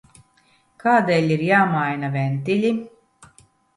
Kādēļ ir jāmaina ventiļi?